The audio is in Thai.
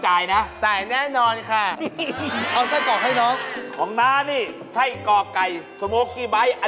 ใจหายใจกว้ำเลยเหล่า